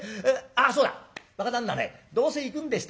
あっそうだ若旦那ねどうせ行くんでしたらね